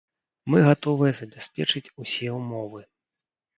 Мы гатовыя забяспечыць усе ўмовы.